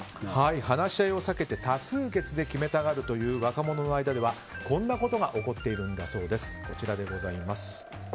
話し合いを避けて多数決で決めたがる若者の間ではこんなことが起こっているんだそうです。